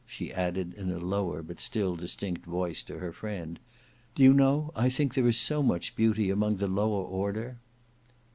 she added in a lower but still distinct voice to her friend. "Do you know I think there is so much beauty among the lower order."